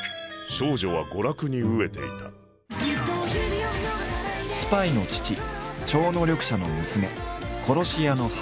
少女は娯楽に飢えていたスパイの父超能力者の娘殺し屋の母。